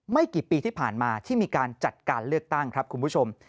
ไม่กี่ปีที่ผ่านมาที่มีการจัดการเลือกตั้งครับคุณผู้ชม